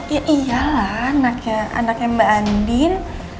ya iyalah anaknya anaknya mbak andin